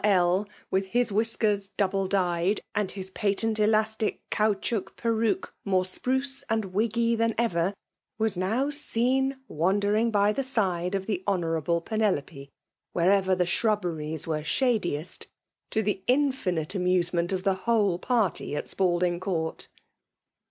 Ia> with his wliiskers double dyed, andf his patent elastic caoutchouc perruque more spruce and wiggy than ever, was now seen* wandering by the side of the Honourable Peno* lope, wherever the shrubberies wereshadieBt, to the infinite amusement of the whole party, at Spalding Court.